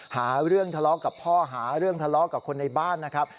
หาเรื่องทะเลาะกับพ่อหาเรื่องทะเลาะกับคนในบ้านนะครับ